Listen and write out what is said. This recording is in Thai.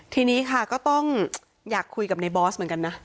ทีนี้ค่ะก็ต้องอยากคุยกับในบอสเหมือนกันนะ